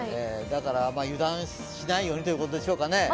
だから油断しないようにということですかね。